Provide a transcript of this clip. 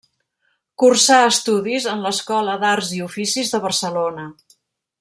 Cursà estudis en l'Escola d'arts i oficis de Barcelona.